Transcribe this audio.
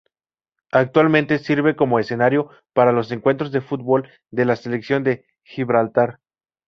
Actualmente sirve como escenario para los encuentros de fútbol de la Selección de Gibraltar.